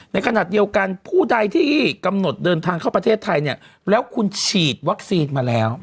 ในขณะเดียวกันผู้ใดที่กำหนดเดินทางเข้าประเทศไทยเนี่ยแล้วคุณฉีดวัคซีนมาแล้ว